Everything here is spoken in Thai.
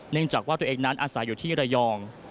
จากว่าตัวเองนั้นอาศัยอยู่ที่ระยอง